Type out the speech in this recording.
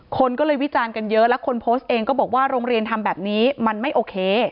คนก็เลยวิจารณ์กันเยอะแล้วคนโพสต์เองก็บอกว่าโรงเรียนทำแบบนี้มันไม่โอเค